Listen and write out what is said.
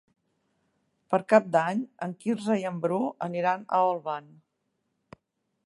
Per Cap d'Any en Quirze i en Bru aniran a Olvan.